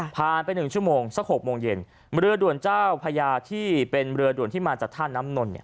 ไป๑ชั่วโมงสัก๖โมงเย็นเรือด่วนเจ้าพญาที่เป็นเรือด่วนที่มาจากท่าน้ำนนเนี่ย